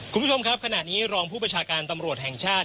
คุณผู้ชมครับขณะนี้รองผู้ประชาการตำรวจแห่งชาติ